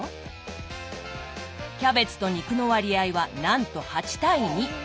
キャベツと肉の割合はなんと８対２！